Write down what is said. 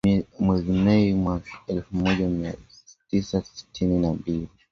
Mwezi Mei mwaka elfu moja mia tisa sitini na mbili